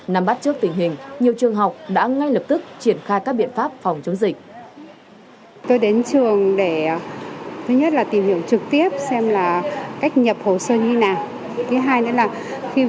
nắm bắt trước tình hình nhiều trường học đã ngay lập tức triển khai các biện pháp phòng chống dịch